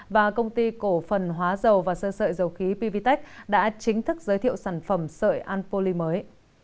và công ty cổ phần hóa dầu và sơ sợi dầu khí pvtec đã chính thức giới thiệu sản phẩm sợi anpoly mới